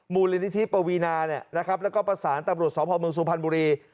มูลนิธิปวีนานะครับแล้วก็ประสานตำรวจสพเมืองสุพรรณบุรี